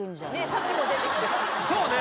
さっきも出てきてたそうね